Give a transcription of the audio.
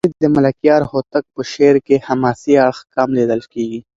ولې د ملکیار هوتک په شعر کې حماسي اړخ کم لېدل کېږي؟